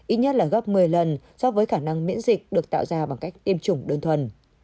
ít nhất là gấp một mươi lần so với khả năng miễn dịch được tạo ra bằng cách tiêm chủng đơn thuần